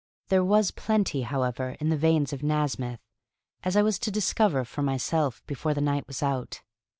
There was plenty, however, in the veins of Nasmyth, as I was to discover for myself before the night was out.